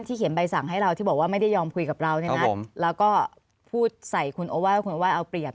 เขียนใบสั่งให้เราที่บอกว่าไม่ได้ยอมคุยกับเราเนี่ยนะแล้วก็พูดใส่คุณโอว่าคุณโอไห้เอาเปรียบ